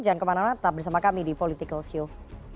jangan kemana mana tetap bersama kami di politikalshow